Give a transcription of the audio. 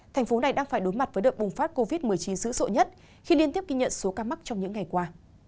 thành phố này đang phải đối mặt với đợt bùng phát covid một mươi chín dữ dội nhất khi liên tiếp ghi nhận số ca mắc trong những ngày qua